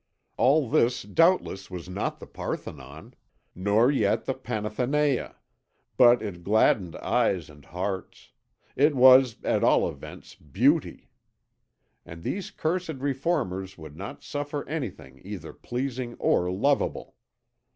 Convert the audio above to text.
All this doubtless was not the Parthenon, nor yet the Panathenæa, but it gladdened eyes and hearts; it was, at all events, beauty. And these cursed reformers would not suffer anything either pleasing or lovable.